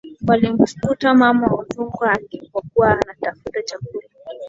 walimkuta mama wa Udzungwa alipokuwa anatafuta chakula